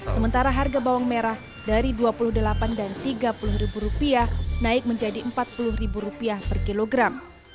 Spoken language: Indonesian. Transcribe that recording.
sementara harga bawang merah dari rp dua puluh delapan dan rp tiga puluh naik menjadi rp empat puluh per kilogram